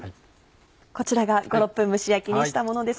こちらが５６分蒸し焼きにしたものです。